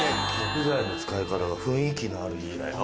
木材の使い方が雰囲気のある家だよ。